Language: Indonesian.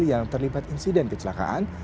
yang terlibat insiden kecelakaan